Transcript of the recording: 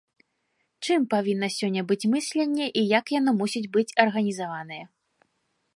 Чым павінна сёння быць мысленне і як яно мусіць быць арганізаванае?